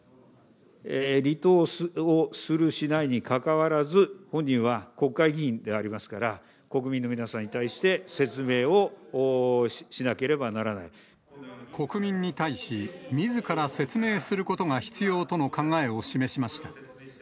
離党をするしないに関わらず、本人は国会議員でありますから、国民の皆さんに対して、説明をし国民に対し、みずから説明することが必要との考えを示しました。